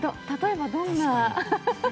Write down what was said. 例えばどんな？